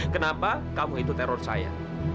kenapa kamu itu teror saya